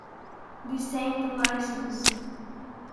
This ain't a licence.